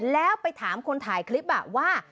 แล้วไปถามคนถ่ายคลิปว่า